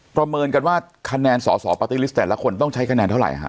ประเมินกันว่าคะแนนสอสอแต่ละคนต้องใช้คะแนนเท่าไรฮะ